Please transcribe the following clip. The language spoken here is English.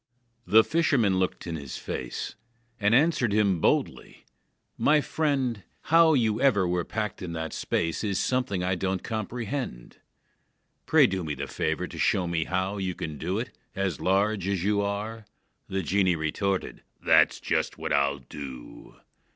The fisherman looked in his face, And answered him boldly: "My friend, How you ever were packed in that space Is something I don't comprehend. Pray do me the favor to show me how you Can do it, as large as you are." The genie retorted: "That's just what I'll do!"